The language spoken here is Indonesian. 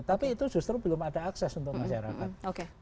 tapi itu justru belum ada akses untuk masyarakat